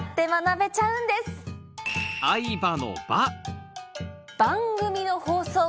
相葉の「ば」